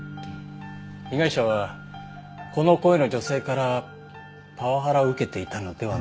被害者はこの声の女性からパワハラを受けていたのではないでしょうか？